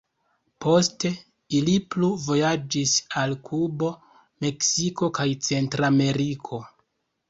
Poste ili plu vojaĝis al Kubo, Meksiko kaj Centrameriko.